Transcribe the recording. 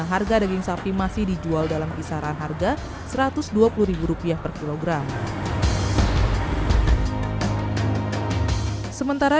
harga daging sapi masih dijual dalam kisaran harga rp satu ratus dua puluh rupiah per kilogram sementara